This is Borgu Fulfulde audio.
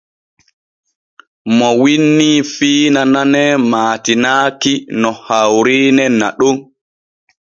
MO wiinnii fiina nane maatinaki no hawriine naɗon.